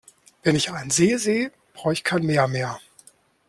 Wenn ich einen See seh brauch ich kein Meer mehr.